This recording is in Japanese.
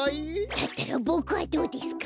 だったらボクはどうですか？